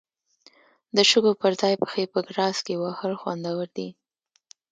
د شګو پر ځای پښې په ګراس کې وهل خوندور دي.